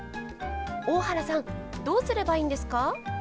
大原さんどうすればいいんですか？